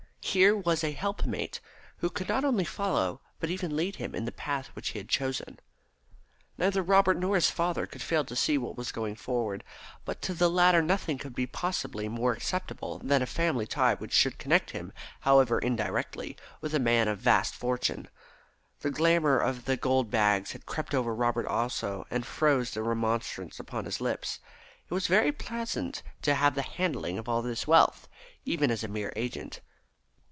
Here was a help mate, who could not only follow, but even lead him in the path which he had chosen. Neither Robert nor his father could fail to see what was going forward, but to the latter nothing could possibly be more acceptable than a family tie which should connect him, however indirectly, with a man of vast fortune. The glamour of the gold bags had crept over Robert also, and froze the remonstrance upon his lips. It was very pleasant to have the handling of all this wealth, even as a mere agent.